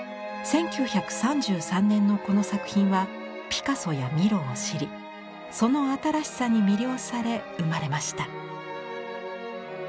１９３３年のこの作品はピカソやミロを知りその「新しさ」に魅了され生まれました。